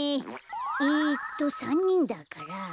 えっと３にんだから。